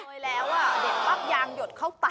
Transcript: โดยแล้วเด็ดปั๊บยางหยดเข้าตา